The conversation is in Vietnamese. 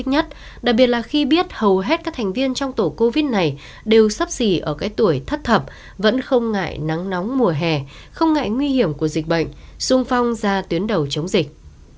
đặc biệt là khi biết hầu hết các thành viên trong tổ covid này đều sắp xỉ ở cái tuổi thất thập vẫn không ngại nắng nóng mùa hè không ngại nguy hiểm của dịch bệnh sung phong ra tuyến đầu chống dịch